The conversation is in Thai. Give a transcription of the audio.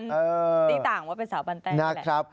ติ๊กต่างว่าเป็นสาวบ้านแต้